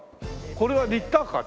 これはリッターカー？